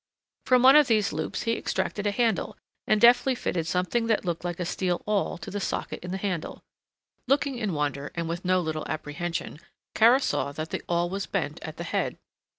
From one of these loops he extracted a handle, and deftly fitted something that looked like a steel awl to the socket in the handle. Looking in wonder, and with no little apprehension, Kara saw that the awl was bent at the head.